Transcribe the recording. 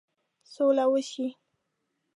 سوله وشي.